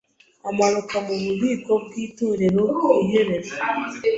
amanuka mu bubiko bwitorero ku iherezo